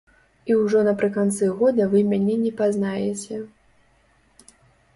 І ўжо напрыканцы года вы мяне не пазнаеце.